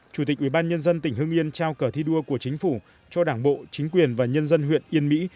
chủ tịch ubnd tỉnh hưng yên trao cờ thi đua của chính phủ cho đảng bộ chính quyền và nhân dân huyện yên mỹ